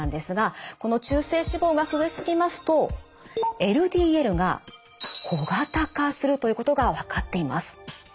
この中性脂肪が増えすぎますとＬＤＬが小型化するということが分かっています。